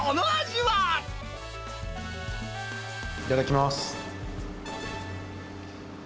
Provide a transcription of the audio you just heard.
いただきます。